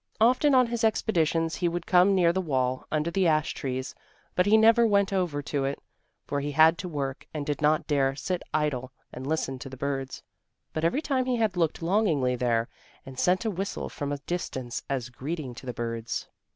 Often on his expeditions he would come near the wall, under the ash trees, but he never went over to it, for he had to work and did not dare sit idle and listen to the birds. But every time he had looked longingly there and sent a whistle from a distance as greeting to the birds.